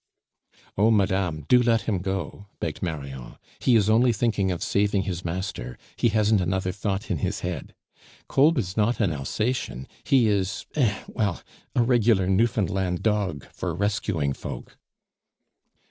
"Oh! madame, do let him go," begged Marion. "He is only thinking of saving his master; he hasn't another thought in his head. Kolb is not an Alsacien, he is eh! well a regular Newfoundland dog for rescuing folk."